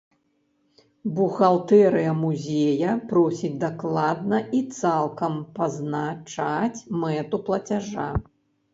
Бухгалтэрыя музея просіць дакладна і цалкам пазначаць мэту плацяжа.